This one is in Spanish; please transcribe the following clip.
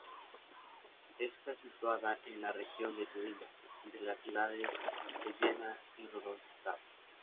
Está situado en la región de Turingia, entre las ciudades de Jena y Rudolstadt.